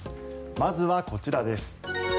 まずはこちらです。